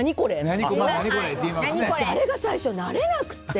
私、あれが最初慣れなくて。